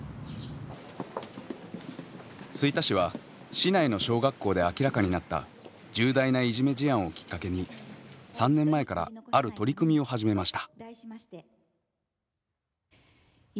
吹田市は市内の小学校で明らかになった重大ないじめ事案をきっかけに３年前からある取り組みを始めました。